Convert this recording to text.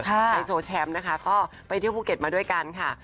ไฮโซแชมป์นะคะก็ไปเที่ยวภูเก็ตมาด้วยกันค่ะ